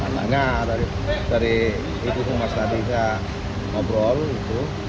makanya dari ibu ibu mas tadi yang ngobrol gitu